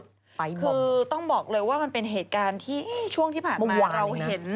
ดีกว่าเป็นเหตุการณ์ที่ช่วงที่ผ่านมา